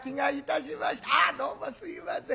あっどうもすいません。